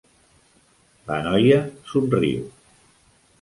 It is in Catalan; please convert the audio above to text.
La noia somriu.